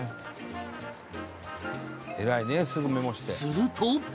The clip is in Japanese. すると